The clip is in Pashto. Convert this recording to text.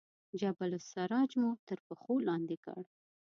جبل السراج مو تر پښو لاندې کړ.